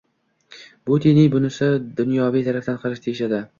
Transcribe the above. “Bu diniy, bunisi dunyoviy tarafdan qarash”, deyishadi.